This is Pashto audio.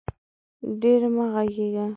ډېر مه غږېږه